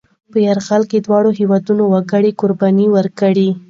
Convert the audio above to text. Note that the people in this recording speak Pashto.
په یرغل کې دواړو هېوادنو وګړي قربانۍ ورکړې.